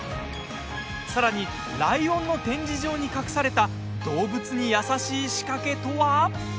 さらに、ライオンの展示場に隠された動物に優しい仕掛けとは。